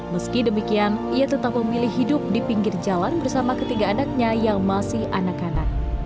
meski demikian ia tetap memilih hidup di pinggir jalan bersama ketiga anaknya yang masih anak anak